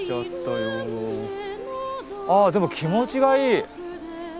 あでも気持ちがいい！